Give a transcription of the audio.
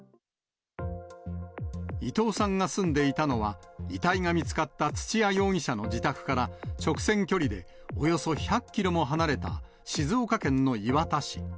伊藤さんが住んでいたのは、遺体が見つかった土屋容疑者の自宅から、直線距離でおよそ１００キロも離れた静岡県の磐田市。